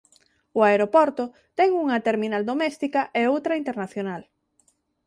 O aeroporto ten unha terminal doméstica e outra internacional.